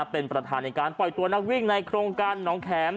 เป็นประธานในการปล่อยตัวนักวิ่งในโครงการหนองแข็ม